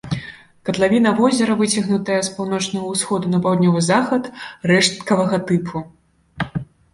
Катлавіна возера выцягнутая з паўночнага ўсходу на паўднёвы захад, рэшткавага тыпу.